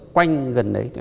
quanh gần đấy